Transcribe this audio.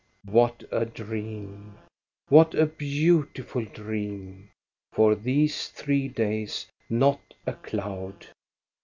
What a dream, what a beautiful dream ! For these three days not a cloud